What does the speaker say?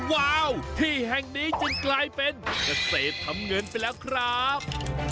ว้าวที่แห่งนี้จึงกลายเป็นเกษตรทำเงินไปแล้วครับ